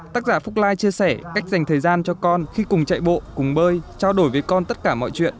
tác giả phúc lai chia sẻ cách dành thời gian cho con khi cùng chạy bộ cùng bơi trao đổi với con tất cả mọi chuyện